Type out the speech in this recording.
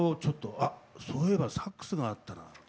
あっそういえばサックスがあったなと。